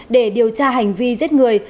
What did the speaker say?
để điều tra hành vi giết người